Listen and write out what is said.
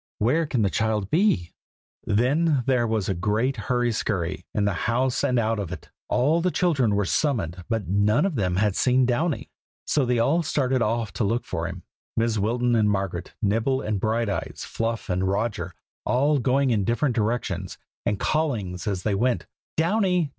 Where can the child be?" Then there was a great hurry scurry, in the house and out of it. All the other children were summoned, but none of them had seen Downy: so they all started off to look for him, Mrs. Wilton and Margaret, Nibble and Brighteyes, Fluff and Roger, all going in different directions, and callings as they went: "Downy!